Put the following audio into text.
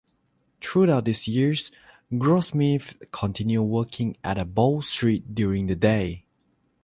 Throughout these years, Grossmith continued working at Bow Street during the day.